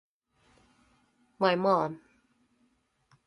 My mom